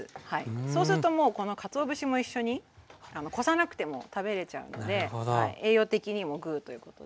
そうするともうこのかつお節も一緒にこさなくても食べれちゃうので栄養的にもグーということで。